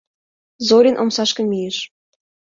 Зорин омсашке мийыш.